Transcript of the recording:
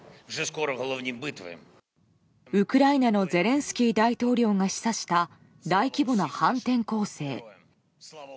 ウクライナのゼレンスキー大統領が示唆した大規模な反転攻勢。